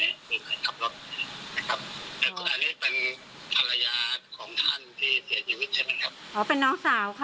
ถ้าแฟนเค้าก็นั่งอยู่ข้าง